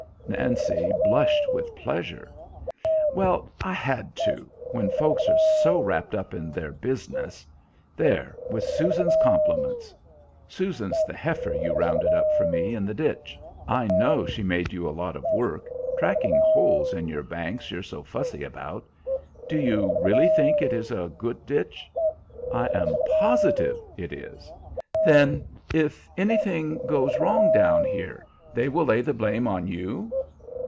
Nancy blushed with pleasure. "Well, I had to when folks are so wrapped up in their business. There, with Susan's compliments! Susan's the heifer you rounded up for me in the ditch. I know she made you a lot of work, tracking holes in your banks you're so fussy about. Do you really think it is a good ditch?" "I am positive it is." "Then if anything goes wrong down here they will lay the blame on you?"